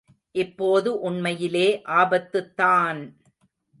இப்போது உண்மையிலே ஆபத்துத்தான்!